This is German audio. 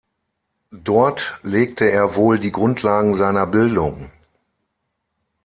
Dort legte er wohl die Grundlagen seiner Bildung.